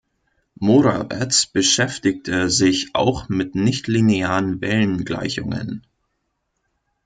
Morawetz beschäftigte sich auch mit nichtlinearen Wellengleichungen.